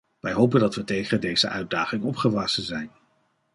Wij hopen dat we tegen deze uitdaging opgewassen zijn.